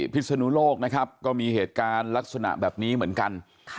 พิศนุโลกนะครับก็มีเหตุการณ์ลักษณะแบบนี้เหมือนกัน